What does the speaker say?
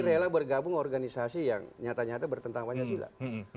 rela bergabung organisasi yang nyata nyata bertentang panjang silap